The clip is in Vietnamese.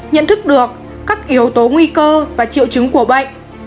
nhận thức được các yếu tố nguy cơ và triệu chứng của bệnh